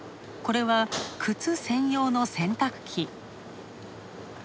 これは靴専用の洗濯機。